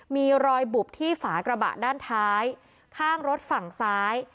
มีรอยบุบที่ฝากระบะด้านท้ายข้างรถฝั่งซ้าย